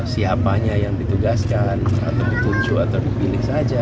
siapanya yang ditugaskan atau ditunjuk atau dipilih saja